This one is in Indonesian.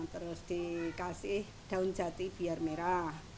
terus dikasih daun jati biar merah